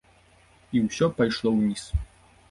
І ўсё пайшло ўніз.